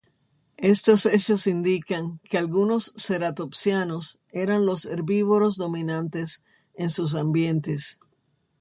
Estos hechos indican que algunos ceratopsianos eran los herbívoros dominantes en sus ambientes.